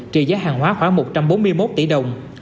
trị giá hàng hóa khoảng một trăm bốn mươi một tỷ đồng